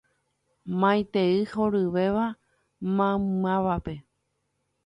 Maitei horyvéva maymávape.